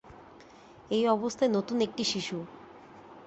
এই অবস্থায় নতুন একটি শিশু।